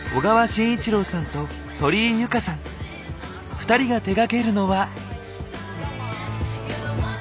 ２人が手がけるのは？